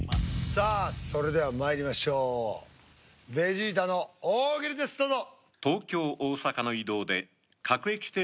さあそれではまいりましょうベジータの大喜利ですどうぞ。